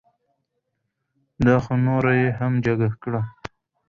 دا خو نوره یې هم جگه کړه.